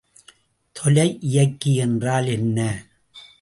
தொலைஇயக்கி என்றால் என்ன?